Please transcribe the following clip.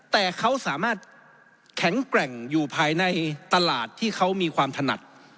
แต่เขาสามารถแข็งแกร่งอยู่ภายในตลาดที่เขามีความถนัด